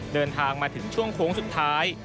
เดินทางมาถึงช่วงโค้งสุดท้าย